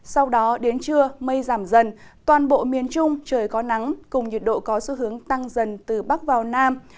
sau đó đến trưa mây giảm dần toàn bộ miền trung trời có nắng cùng nhiệt độ có xu hướng tăng dần từ bắc vào nam